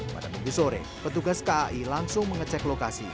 pada minggu sore petugas kai langsung mengecek lokasi